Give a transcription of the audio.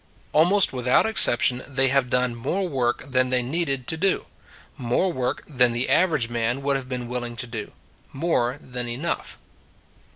Almost without exception, they have done more work than they needed to do: more work that the average man would have been willing to do : more than enough.